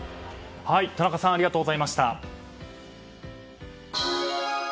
田中さんありがとうございました。